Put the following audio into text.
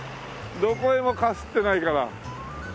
どこへもかすってないから。